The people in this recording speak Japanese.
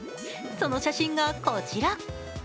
その写真がこちら。